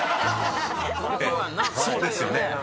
そうですね。